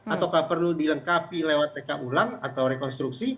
ataukah perlu dilengkapi lewat reka ulang atau rekonstruksi